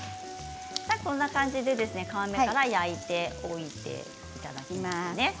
この間に皮目から焼いておいていただきますね。